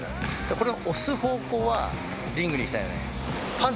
これを押す方向はリングにいきたいよね。